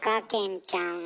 顕ちゃん。